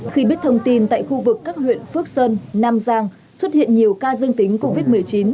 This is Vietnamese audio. khi biết thông tin tại khu vực các huyện phước sơn nam giang xuất hiện nhiều ca dương tính covid một mươi chín